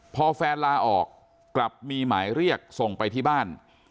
พอแฟนลาออกกลับมีหมายเรียกส่งไปที่บ้าน